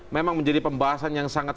memang menjadi pembahasan yang sangat